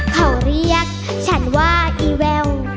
เขาเรียกฉันว่าอีแวว